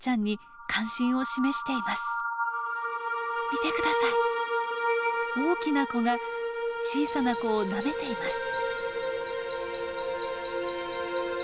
見てください大きな子が小さな子をなめています。